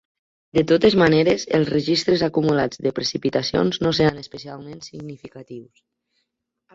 De totes maneres, els registres acumulats de precipitacions no seran especialment significatius.